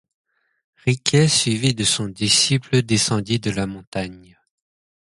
Riquet suivi de son disciple descendit de la montagne.